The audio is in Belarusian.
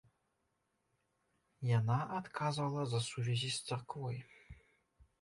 Яна адказвала за сувязі з царквой.